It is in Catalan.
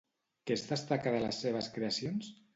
Què es destaca de les seves creacions?